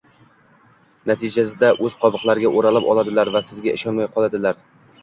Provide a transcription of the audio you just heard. natijada – o‘z qobiqlariga o‘ralib oladilar va sizga ishonmay qoladilar.